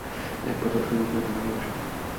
এক বোতল সুগন্ধীও দেওয়া হবে সাথে।